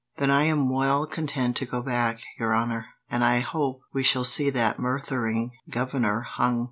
"Then I am well content to go back, your honour, and I hope we shall see that murthering governor hung."